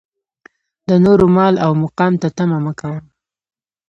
د نورو مال او مقام ته طمعه مه کوه.